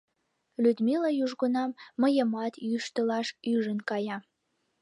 Людмила южгунам мыйымат йӱштылаш ӱжын кая.